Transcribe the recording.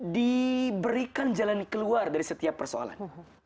diberikan jalan keluar dari setiap persoalan